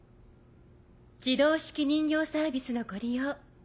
自動手記人形サービスのご利用